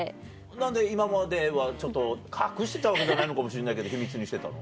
何で今まではちょっと隠してたわけじゃないのかもしんないけど秘密にしてたの？